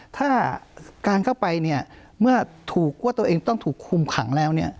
ถ้าการเข้าไปเนี่ยเมื่อถูกว่าตัวเองต้องถูกคุมขังแล้วเนี่ย